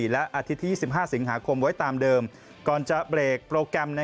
และอาทิตย์ที่๒๕สิงหาคมไว้ตามเดิมก่อนจะเบรกโปรแกรม